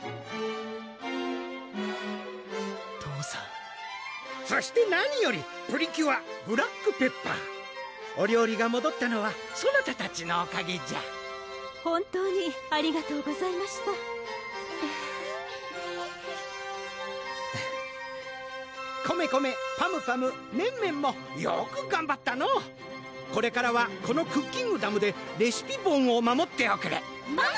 父さんそして何よりプリキュア・ブラックペッパーお料理がもどったのはそなたたちのおかげじゃ本当にありがとうございましたコメコメ・パムパム・メンメンもよくがんばったのこれからはこのクッキングダムでレシピボンを守っておくれコメ！